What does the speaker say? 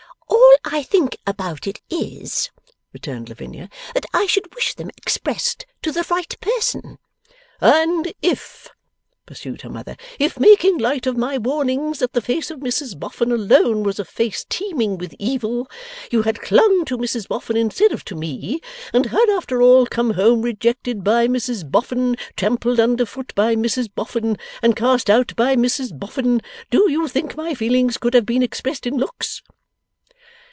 'All I think about it, is,' returned Lavinia, 'that I should wish them expressed to the right person.' 'And if,' pursued her mother, 'if making light of my warnings that the face of Mrs Boffin alone was a face teeming with evil, you had clung to Mrs Boffin instead of to me, and had after all come home rejected by Mrs Boffin, trampled under foot by Mrs Boffin, and cast out by Mrs Boffin, do you think my feelings could have been expressed in looks?